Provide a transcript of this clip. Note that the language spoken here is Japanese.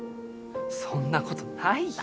そんなことないよ。